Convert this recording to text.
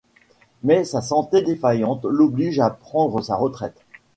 Mais sa santé défaillante l'oblige à prendre sa retraite.